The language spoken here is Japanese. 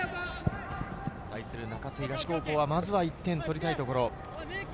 対する中津東高校はまずは１点を取りたいところ。